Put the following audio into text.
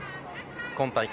今大会